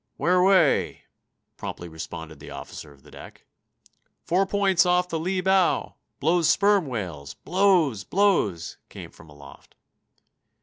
"Where away?" promptly responded the officer of the deck. "Four points off the lee bow! Blows sperm whales! Blows! Blows!" came from aloft.